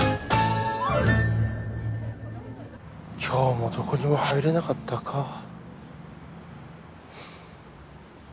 今日もどこにも入れなかったか。